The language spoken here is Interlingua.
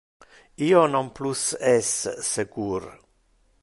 Io non plus es secur.